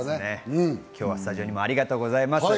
今日はスタジオにもありがとうございます。